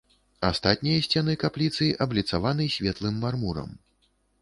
Астатнія сцены капліцы абліцаваны светлым мармурам.